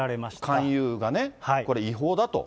勧誘がね、これ違法だと。